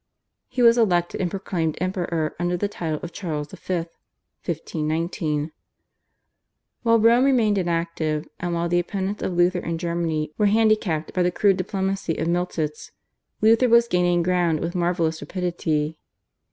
He was elected and proclaimed Emperor under the title of Charles V. (1519). While Rome remained inactive, and while the opponents of Luther in Germany were handicapped by the crude diplomacy of Miltitz, Luther was gaining ground with marvellous rapidity.